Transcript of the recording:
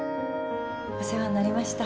お世話になりました。